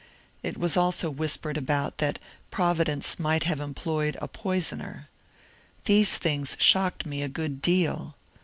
It was also whispered about that Providence might have employed a poisoner. These things shocked me a good deal.